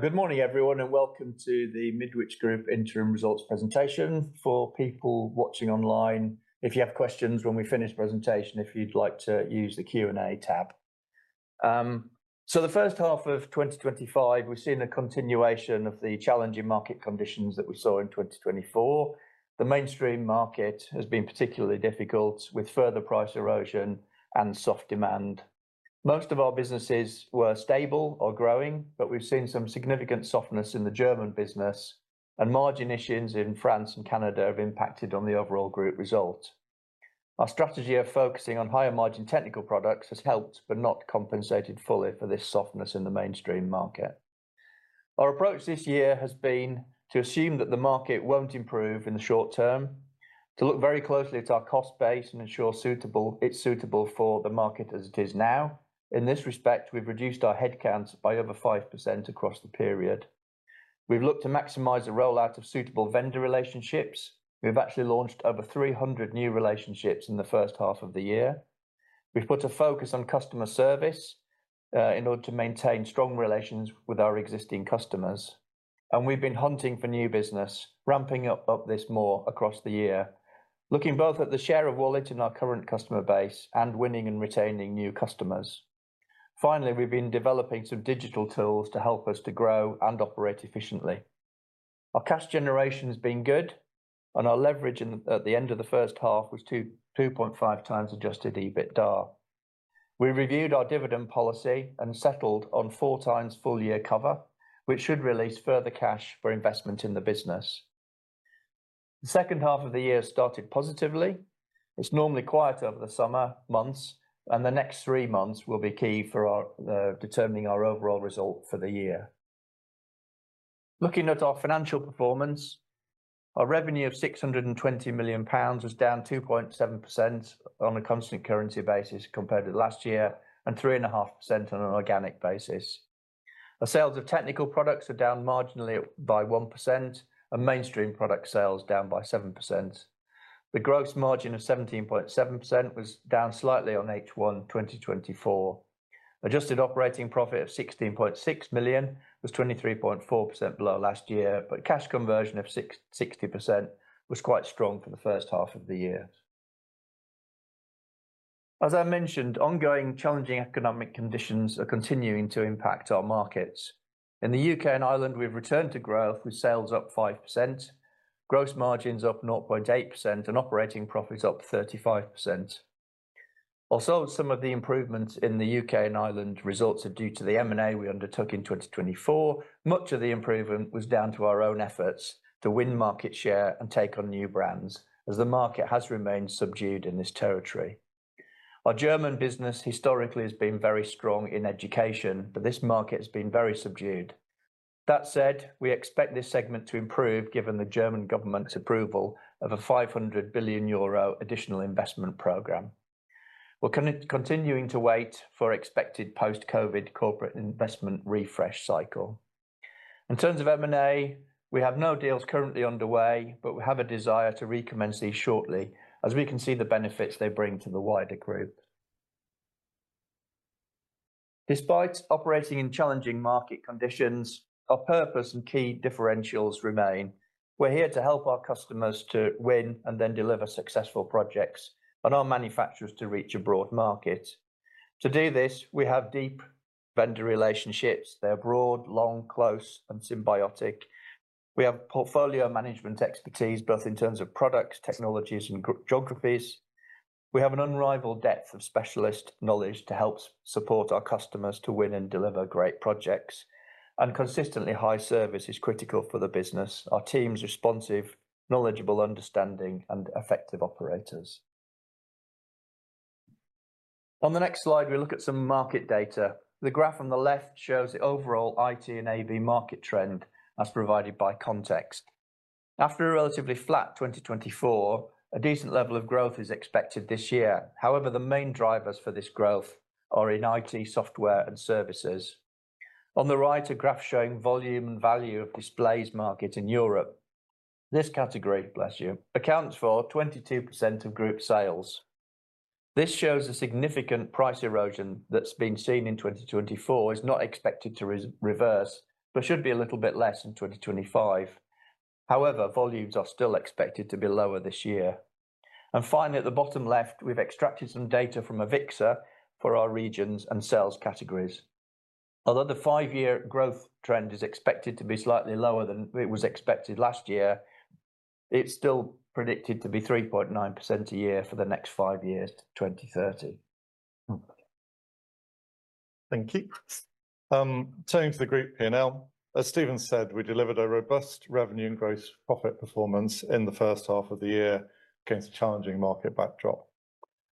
Good morning, everyone, and welcome to the Midwich Group interim results presentation. For people watching online, if you have questions when we finish the presentation, if you'd like to use the Q&A tab. So the first half of 2025, we've seen a continuation of the challenging market conditions that we saw in 2024. The mainstream market has been particularly difficult with further price erosion and soft demand. Most of our businesses were stable or growing, but we've seen some significant softness in the German business, and margin issues in France and Canada have impacted the overall group result. Our strategy of focusing on higher margin technical products has helped, but not compensated fully for this softness in the mainstream market. Our approach this year has been to assume that the market won't improve in the short term, to look very closely at our cost base and ensure it's suitable for the market as it is now. In this respect, we've reduced our headcounts by over 5% across the period. We've looked to maximize the rollout of suitable vendor relationships. We've actually launched over 300 new relationships in the first half of the year. We've put a focus on customer service in order to maintain strong relations with our existing customers. And we've been hunting for new business, ramping up this more across the year, looking both at the share of wallet in our current customer base and winning and retaining new customers. Finally, we've been developing some digital tools to help us to grow and operate efficiently. Our cash generation has been good, and our leverage at the end of the first half was 2.5 times adjusted EBITDA. We reviewed our dividend policy and settled on four times full-year cover, which should release further cash for investment in the business. The second half of the year started positively. It's normally quiet over the summer months, and the next three months will be key for determining our overall result for the year. Looking at our financial performance, our revenue of 620 million pounds was down 2.7% on a constant currency basis compared to last year and 3.5% on an organic basis. Our sales of technical products are down marginally by 1%, and mainstream product sales down by 7%. The gross margin of 17.7% was down slightly on H1 2024. Adjusted operating profit of 16.6 million was 23.4% below last year, but cash conversion of 60% was quite strong for the first half of the year. As I mentioned, ongoing challenging economic conditions are continuing to impact our markets. In the U.K. and Ireland, we've returned to growth with sales up 5%, gross margins up 0.8%, and operating profits up 35%. Although some of the improvements in the U.K. and Ireland results are due to the M&A we undertook in 2024, much of the improvement was down to our own efforts to win market share and take on new brands, as the market has remained subdued in this territory. Our German business historically has been very strong in education, but this market has been very subdued. That said, we expect this segment to improve given the German government's approval of a 500 billion euro additional investment program. We're continuing to wait for expected post-COVID corporate investment refresh cycle. In terms of M&A, we have no deals currently underway, but we have a desire to recommence these shortly as we can see the benefits they bring to the wider group. Despite operating in challenging market conditions, our purpose and key differentials remain. We're here to help our customers to win and then deliver successful projects and our manufacturers to reach a broad market. To do this, we have deep vendor relationships. They're broad, long, close, and symbiotic. We have portfolio management expertise both in terms of products, technologies, and geographies. We have an unrivaled depth of specialist knowledge to help support our customers to win and deliver great projects. And consistently high service is critical for the business. Our team's responsive, knowledgeable, understanding, and effective operators. On the next slide, we look at some market data. The graph on the left shows the overall IT and AV market trend as provided by Context. After a relatively flat 2024, a decent level of growth is expected this year. However, the main drivers for this growth are in IT, software, and services. On the right, a graph showing volume and value of displays market in Europe. This category, bless you, accounts for 22% of group sales. This shows a significant price erosion that's been seen in 2024 is not expected to reverse, but should be a little bit less in 2025. However, volumes are still expected to be lower this year, and finally, at the bottom left, we've extracted some data from AVIXA for our regions and sales categories. Although the five-year growth trend is expected to be slightly lower than it was expected last year, it's still predicted to be 3.9% a year for the next five years to 2030. Thank you. Turning to the group here now, as Stephen said, we delivered a robust revenue and gross profit performance in the first half of the year against a challenging market backdrop.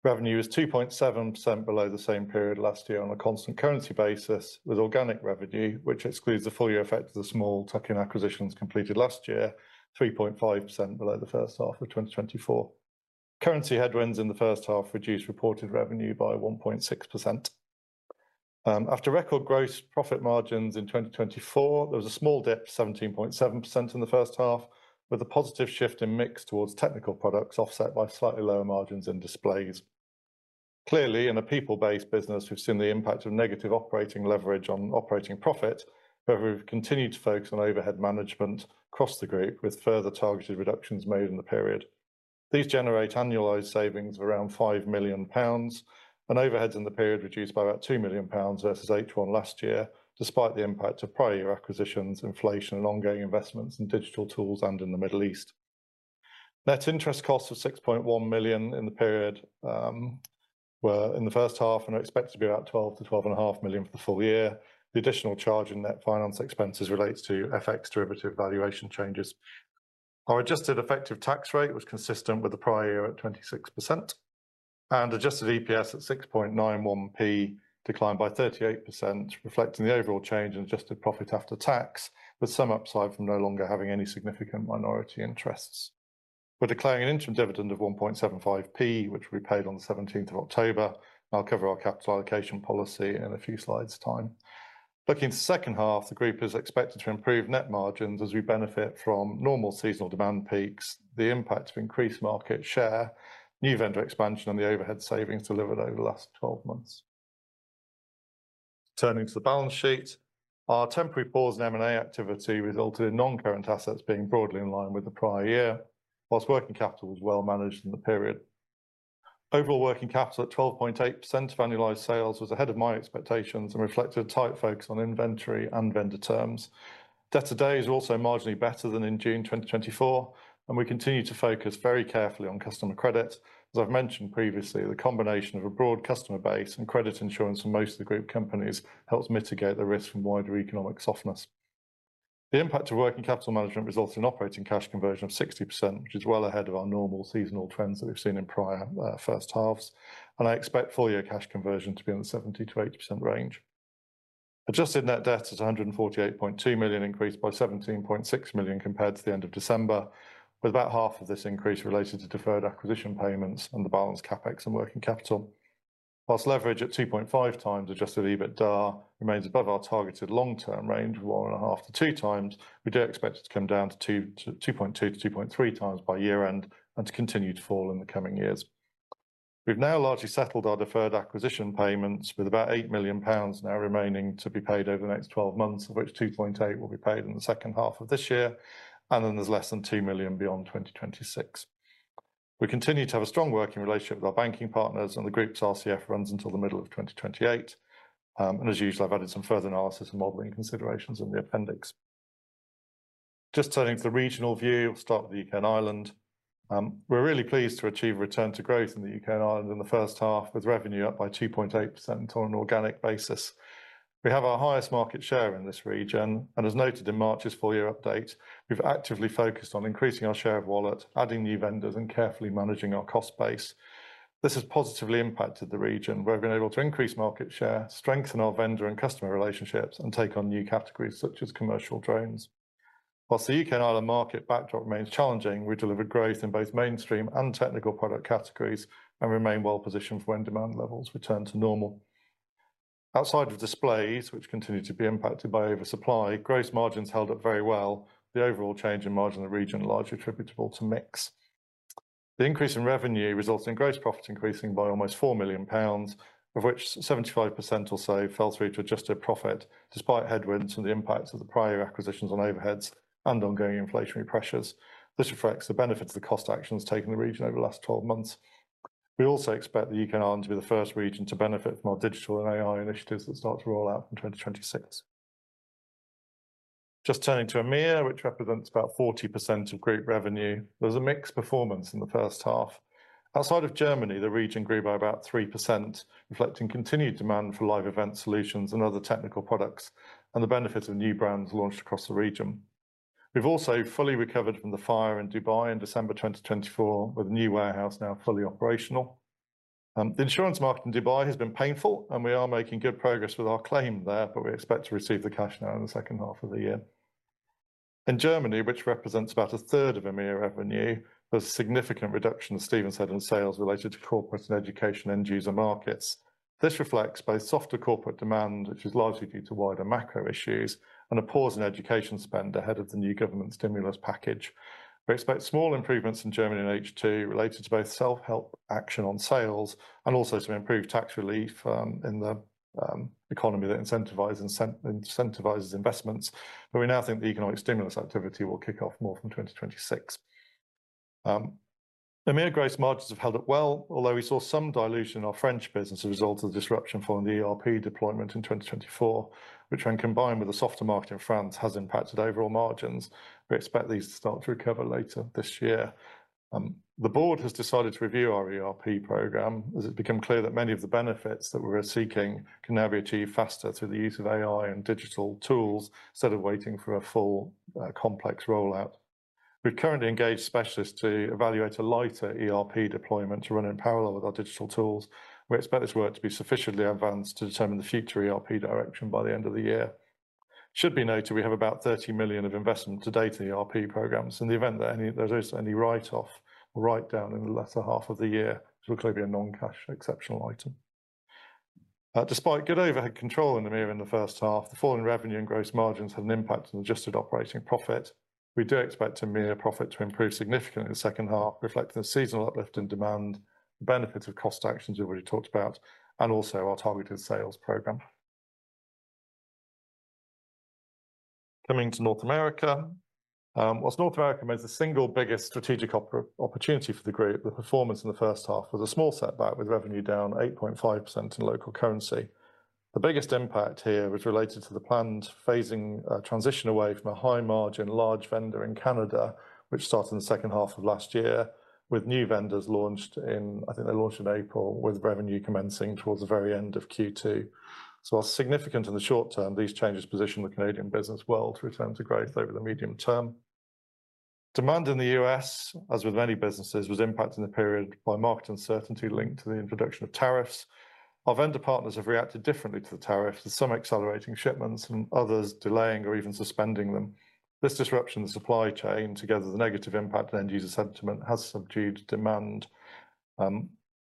Revenue was 2.7% below the same period last year on a constant currency basis with organic revenue, which excludes the full year effect of the small tuck-in acquisitions completed last year, 3.5% below the first half of 2024. Currency headwinds in the first half reduced reported revenue by 1.6%. After record gross profit margins in 2024, there was a small dip, 17.7% in the first half, with a positive shift in mix towards technical products offset by slightly lower margins in displays. Clearly, in a people-based business, we've seen the impact of negative operating leverage on operating profit, but we've continued to focus on overhead management across the group with further targeted reductions made in the period. These generate annualized savings of around five million pounds, and overheads in the period reduced by about two million pounds versus H1 last year, despite the impact of prior year acquisitions, inflation, and ongoing investments in digital tools and in the Middle East. Net interest costs of 6.1 million in the period were in the first half and are expected to be about 12 to 12.5 million for the full year. The additional charge in net finance expenses relates to FX derivative valuation changes. Our adjusted effective tax rate was consistent with the prior year at 26%, and adjusted EPS at 6.91p declined by 38%, reflecting the overall change in adjusted profit after tax, with some upside from no longer having any significant minority interests. We're declaring an interim dividend of 1.75p, which we paid on the 17th of October. I'll cover our capital allocation policy in a few slides' time. Looking to the second half, the group is expected to improve net margins as we benefit from normal seasonal demand peaks, the impact of increased market share, new vendor expansion, and the overhead savings delivered over the last 12 months. Turning to the balance sheet, our temporary pause in M&A activity resulted in non-current assets being broadly in line with the prior year, whilst working capital was well managed in the period. Overall working capital at 12.8% of annualized sales was ahead of my expectations and reflected a tight focus on inventory and vendor terms. Debtor days was also marginally better than in June 2024, and we continue to focus very carefully on customer credit. As I've mentioned previously, the combination of a broad customer base and credit insurance for most of the group companies helps mitigate the risk from wider economic softness. The impact of working capital management results in operating cash conversion of 60%, which is well ahead of our normal seasonal trends that we've seen in prior first halves. And I expect full year cash conversion to be in the 70%-80% range. Adjusted net debt is a 148.2 million increase by 17.6 million compared to the end of December, with about half of this increase related to deferred acquisition payments and the balance Capex and working capital. While leverage at 2.5 times adjusted EBITDA remains above our targeted long-term range of one and a half to two times, we do expect it to come down to 2.2-2.3 times by year-end and to continue to fall in the coming years. We've now largely settled our deferred acquisition payments with about 8 million pounds now remaining to be paid over the next 12 months, of which 2.8 will be paid in the second half of this year, and then there's less than 2 million beyond 2026. We continue to have a strong working relationship with our banking partners, and the group's RCF runs until the middle of 2028. As usual, I've added some further analysis and modeling considerations in the appendix. Just turning to the regional view, we'll start with the U.K. and Ireland. We're really pleased to achieve a return to growth in the U.K. and Ireland in the first half, with revenue up by 2.8% on an organic basis. We have our highest market share in this region, and as noted in March's full year update, we've actively focused on increasing our share of wallet, adding new vendors, and carefully managing our cost base. This has positively impacted the region, where we've been able to increase market share, strengthen our vendor and customer relationships, and take on new categories such as commercial drones. Whilst the U.K. and Ireland market backdrop remains challenging, we deliver growth in both mainstream and technical product categories and remain well positioned for when demand levels return to normal. Outside of displays, which continue to be impacted by oversupply, gross margins held up very well. The overall change in margin in the region is largely attributable to mix. The increase in revenue results in gross profit increasing by almost 4 million pounds, of which 75% or so fell through to adjusted profit, despite headwinds from the impacts of the prior acquisitions on overheads and ongoing inflationary pressures. This reflects the benefits of the cost actions taken in the region over the last 12 months. We also expect the U.K. and Ireland to be the first region to benefit from our digital and AI initiatives that start to roll out from 2026. Just turning to EMEA, which represents about 40% of group revenue, there's a mixed performance in the first half. Outside of Germany, the region grew by about 3%, reflecting continued demand for live event solutions and other technical products and the benefit of new brands launched across the region. We've also fully recovered from the fire in Dubai in December 2024, with a new warehouse now fully operational. The insurance market in Dubai has been painful, and we are making good progress with our claim there, but we expect to receive the cash now in the second half of the year. In Germany, which represents about a third of EMEA revenue, there's a significant reduction, as Stephen said, in sales related to corporate and education end-user markets. This reflects both softer corporate demand, which is largely due to wider macro issues, and a pause in education spend ahead of the new government stimulus package. We expect small improvements in Germany and H2 related to both self-help action on sales and also some improved tax relief in the economy that incentivizes investments, but we now think the economic stimulus activity will kick off more from 2026. EMEA gross margins have held up well, although we saw some dilution in our French business as a result of the disruption following the ERP deployment in 2024, which, when combined with the softer market in France, has impacted overall margins. We expect these to start to recover later this year. The board has decided to review our ERP program as it's become clear that many of the benefits that we were seeking can now be achieved faster through the use of AI and digital tools instead of waiting for a full complex rollout. We've currently engaged specialists to evaluate a lighter ERP deployment to run in parallel with our digital tools. We expect this work to be sufficiently advanced to determine the future ERP direction by the end of the year. It should be noted we have about 30 million of investment to date in ERP programs. In the event that there is any write-off or write-down in the latter half of the year, it will clearly be a non-cash exceptional item. Despite good overhead control in EMEA in the first half, the fall in revenue and gross margins have an impact on adjusted operating profit. We do expect EMEA profit to improve significantly in the second half, reflecting a seasonal uplift in demand, the benefits of cost actions we've already talked about, and also our targeted sales program. Coming to North America, whilst North America remains the single biggest strategic opportunity for the group, the performance in the first half was a small setback, with revenue down 8.5% in local currency. The biggest impact here was related to the planned phasing transition away from a high-margin large vendor in Canada, which started in the second half of last year, with new vendors launched in, I think they launched in April, with revenue commencing towards the very end of Q2, so while significant in the short term, these changes position the Canadian business well to return to growth over the medium term. Demand in the US, as with many businesses, was impacted in the period by market uncertainty linked to the introduction of tariffs. Our vendor partners have reacted differently to the tariffs, with some accelerating shipments and others delaying or even suspending them. This disruption in the supply chain, together with the negative impact on end-user sentiment, has subdued demand.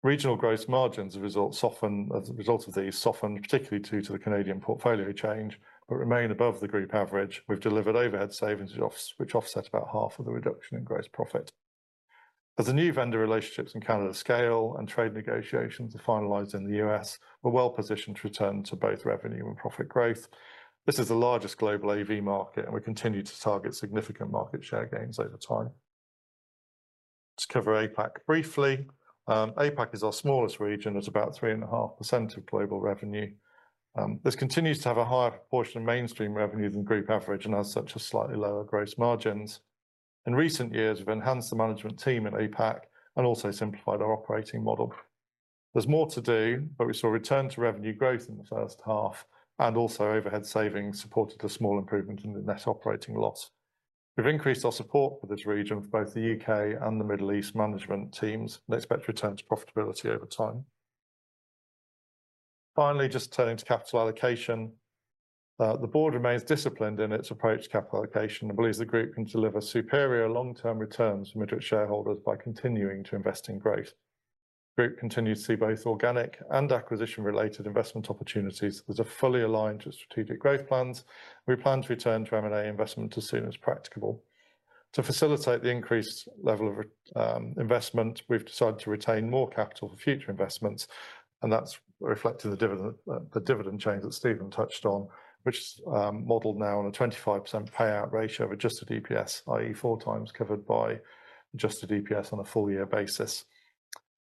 Regional gross margins have, as a result of these, softened, particularly due to the Canadian portfolio change, but remain above the group average. We've delivered overhead savings, which offset about half of the reduction in gross profit. As the new vendor relationships in Canada scale and trade negotiations are finalized in the US, we're well positioned to return to both revenue and profit growth. This is the largest global AV market, and we continue to target significant market share gains over time. To cover APAC briefly, APAC is our smallest region at about 3.5% of global revenue. This continues to have a higher proportion of mainstream revenue than group average and has such a slightly lower gross margins. In recent years, we've enhanced the management team at APAC and also simplified our operating model. There's more to do, but we saw return to revenue growth in the first half, and also overhead savings supported the small improvement in the net operating loss. We've increased our support for this region for both the U.K. and the Middle East management teams and expect returns to profitability over time. Finally, just turning to capital allocation, the board remains disciplined in its approach to capital allocation and believes the group can deliver superior long-term returns for Midwich shareholders by continuing to invest in growth. The group continues to see both organic and acquisition-related investment opportunities that are fully aligned to strategic growth plans, and we plan to return to M&A investment as soon as practicable. To facilitate the increased level of investment, we've decided to retain more capital for future investments, and that's reflected in the dividend change that Stephen touched on, which is modeled now on a 25% payout ratio of adjusted EPS, i.e., four times covered by adjusted EPS on a full year basis.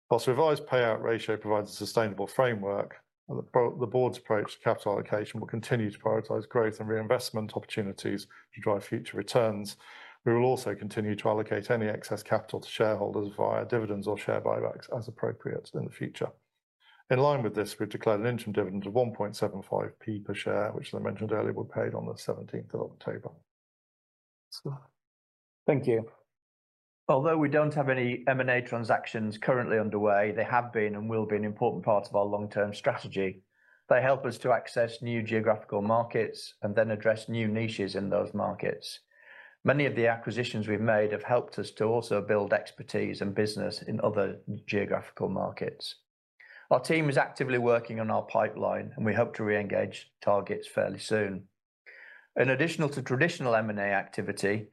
While revised payout ratio provides a sustainable framework, the board's approach to capital allocation will continue to prioritize growth and reinvestment opportunities to drive future returns. We will also continue to allocate any excess capital to shareholders via dividends or share buybacks as appropriate in the future. In line with this, we've declared an interim dividend of 1.75p per share, which, as I mentioned earlier, we paid on the 17th of October. Thank you. Although we don't have any M&A transactions currently underway, they have been and will be an important part of our long-term strategy. They help us to access new geographical markets and then address new niches in those markets. Many of the acquisitions we've made have helped us to also build expertise and business in other geographical markets. Our team is actively working on our pipeline, and we hope to re-engage targets fairly soon. In addition to traditional M&A activity,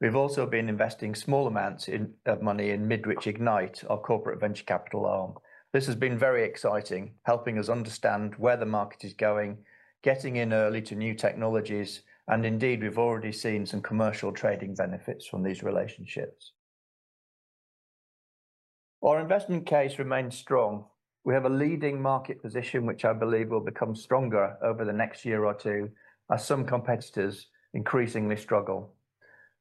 we've also been investing small amounts of money in Midwich Ignite, our corporate venture capital arm. This has been very exciting, helping us understand where the market is going, getting in early to new technologies, and indeed, we've already seen some commercial trading benefits from these relationships. Our investment case remains strong. We have a leading market position, which I believe will become stronger over the next year or two, as some competitors increasingly struggle.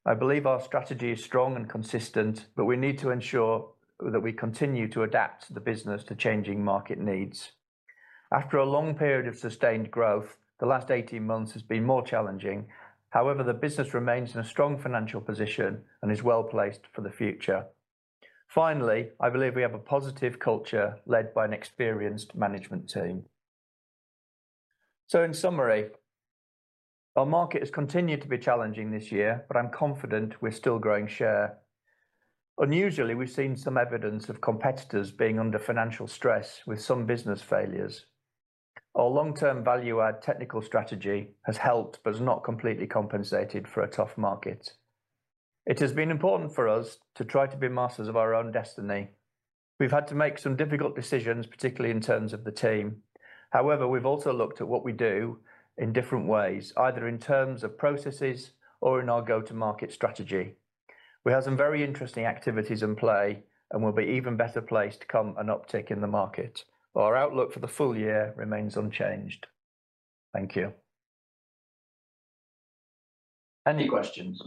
I believe our strategy is strong and consistent, but we need to ensure that we continue to adapt the business to changing market needs. After a long period of sustained growth, the last 18 months has been more challenging. However, the business remains in a strong financial position and is well placed for the future. Finally, I believe we have a positive culture led by an experienced management team. So, in summary, our market has continued to be challenging this year, but I'm confident we're still growing share. Unusually, we've seen some evidence of competitors being under financial stress with some business failures. Our long-term value-add technical strategy has helped, but is not completely compensated for a tough market. It has been important for us to try to be masters of our own destiny. We've had to make some difficult decisions, particularly in terms of the team. However, we've also looked at what we do in different ways, either in terms of processes or in our go-to-market strategy. We have some very interesting activities in play and will be even better placed to capitalize on an uptick in the market. Our outlook for the full year remains unchanged. Thank you. Any questions?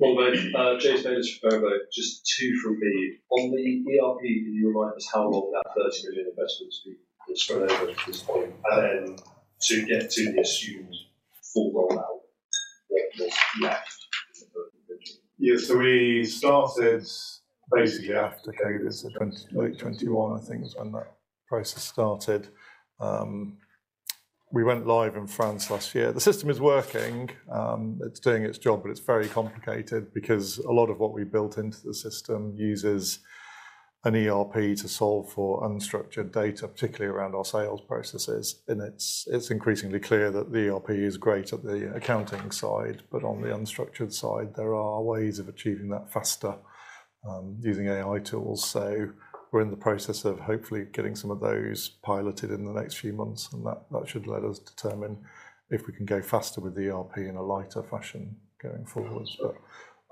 Robert, James Bailey from Peel Hunt, just two from me. On the ERP, can you remind us how long that 30 million investment has been spread over at this point? And then to get to the assumed full rollout, what was left in the first position? Year three started basically after COVID, so 2021, I think, is when that process started. We went live in France last year. The system is working. It's doing its job, but it's very complicated because a lot of what we built into the system uses an ERP to solve for unstructured data, particularly around our sales processes. And it's increasingly clear that the ERP is great at the accounting side, but on the unstructured side, there are ways of achieving that faster using AI tools. We're in the process of hopefully getting some of those piloted in the next few months, and that should let us determine if we can go faster with the ERP in a lighter fashion going forward. But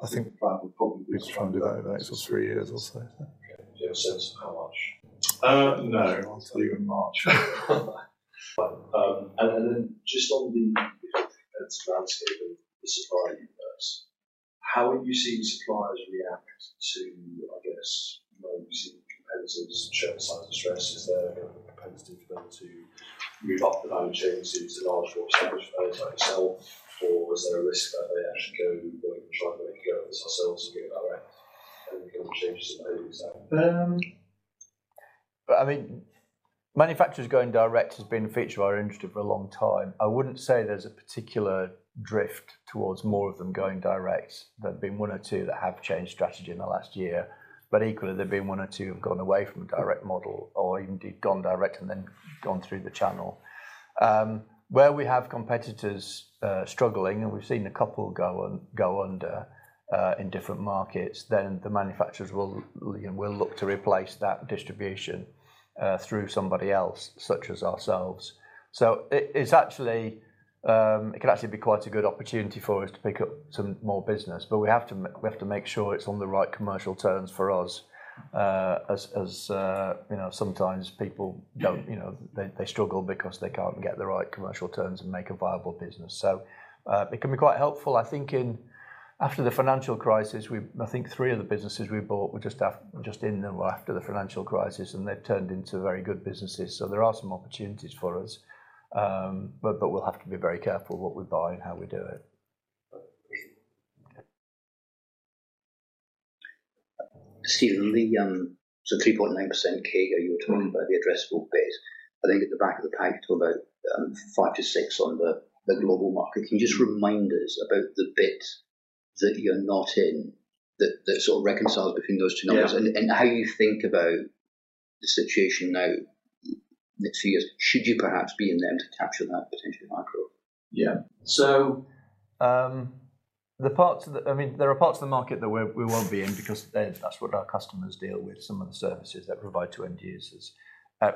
I think we'll probably be trying to do that over the next three years or so. Do you have a sense of how much? No. Probably in March. And then just on the competitive landscape and the supply universe, how are you seeing suppliers react to, I guess, you see competitors and signs of stress? Is there incentive for them to move up the value chain to larger more established players like yourself? Or is there a risk that they actually go and try to make a go of this themselves and get it direct? And the kind of changes in value. But I mean, manufacturers going direct has been a feature of our industry for a long time. I wouldn't say there's a particular drift towards more of them going direct. There have been one or two that have changed strategy in the last year, but equally, there have been one or two who have gone away from a direct model or indeed gone direct and then gone through the channel. Where we have competitors struggling, and we've seen a couple go under in different markets, then the manufacturers will look to replace that distribution through somebody else, such as ourselves. So it can actually be quite a good opportunity for us to pick up some more business, but we have to make sure it's on the right commercial terms for us. As sometimes people don't, they struggle because they can't get the right commercial terms and make a viable business. So it can be quite helpful. I think after the financial crisis, I think three of the businesses we bought were just in there after the financial crisis, and they've turned into very good businesses. So there are some opportunities for us, but we'll have to be very careful what we buy and how we do it. Stephen, the 3.9% CAGR you were talking about, the addressable base, I think at the back of the packet are about five to six billion on the global market. Can you just remind us about the bit that you're not in, that sort of reconciles between those two numbers, and how you think about the situation now, next few years? Should you perhaps be in them to capture that potential macro? Yeah. I mean, there are parts of the market that we won't be in because that's what our customers deal with, some of the services that we provide to end users.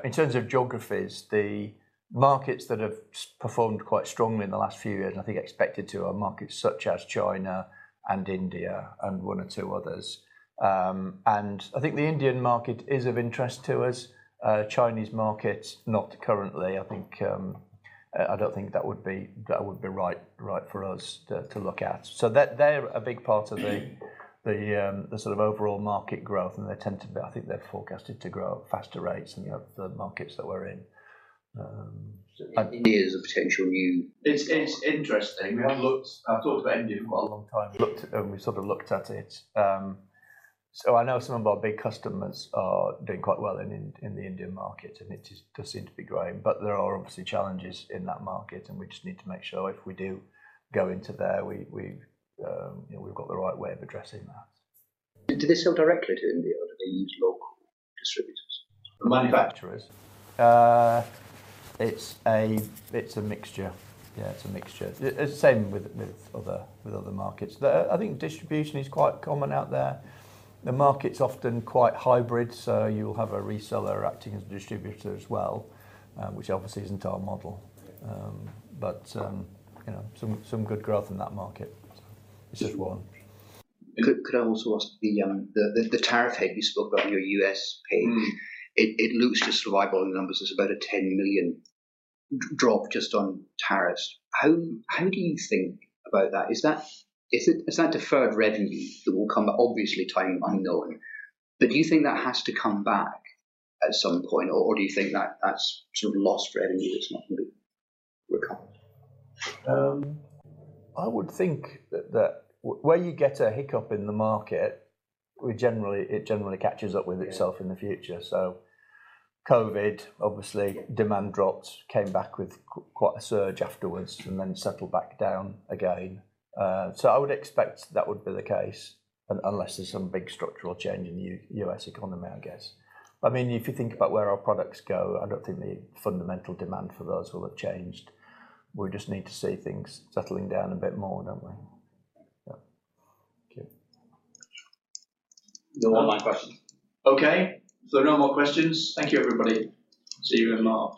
In terms of geographies, the markets that have performed quite strongly in the last few years, I think, expected to are markets such as China and India and one or two others. I think the Indian market is of interest to us. Chinese markets, not currently. I don't think that would be right for us to look at. They're a big part of the sort of overall market growth, and they tend to be, I think they're forecasted to grow at faster rates than the markets that we're in. It's interesting. I've talked about India for quite a long time. We sort of looked at it. So I know some of our big customers are doing quite well in the Indian market, and it does seem to be growing. But there are obviously challenges in that market, and we just need to make sure if we do go into there, we've got the right way of addressing that. Do they sell directly to India, or do they use local distributors? Manufacturers. It's a mixture. Yeah, it's a mixture. It's the same with other markets. I think distribution is quite common out there. The market's often quite hybrid, so you'll have a reseller acting as a distributor as well, which obviously isn't our model. But some good growth in that market. It's just one. Could I also ask the tariff hit you spoke about on your U.S. P&L? It looks just to the revenue numbers. There's about a 10 million drop just on tariffs. How do you think about that? Is that deferred revenue that will come? Obviously, time unknown. But do you think that has to come back at some point, or do you think that that's sort of lost revenue that's not going to be recovered? I would think that where you get a hiccup in the market, it generally catches up with itself in the future. So COVID, obviously, demand dropped, came back with quite a surge afterwards, and then settled back down again. So I would expect that would be the case unless there's some big structural change in the U.S. economy, I guess. I mean, if you think about where our products go, I don't think the fundamental demand for those will have changed. We just need to see things settling down a bit more, don't we? Yeah. Thank you. No more questions. Okay. So no more questions. Thank you, everybody. See you in March.